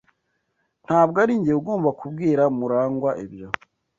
Ntabwo arinjye ugomba kubwira Murangwa ibyo.